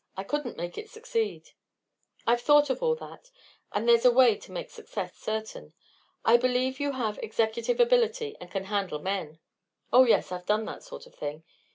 I couldn't make it succeed." "I've thought of all that, and there's a way to make success certain. I believe you have executive ability and can handle men." "Oh yes; I've done that sort of thing."